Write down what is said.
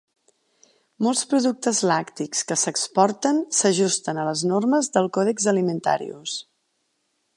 Molts productes làctics que s'exporten s'ajusten a les normes del Codex Alimentarius.